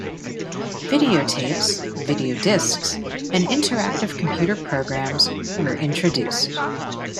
Videotapes, videodisks, and interactive computer programs were introduced.